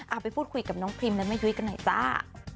ไปพูดคุยกับน้องพรีมและแม่ยุ้ยกันหน่อยจ้า